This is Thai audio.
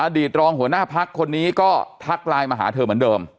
ตรองหัวหน้าพักคนนี้ก็ทักไลน์มาหาเธอเหมือนเดิม